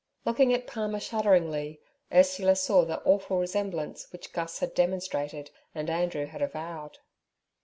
Looking at Palmer shudderingly, Ursula saw the awful resemblance which Gus had demonstrated and Andrew had avowed.